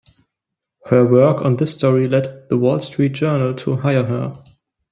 Her work on this story led "The Wall Street Journal" to hire her.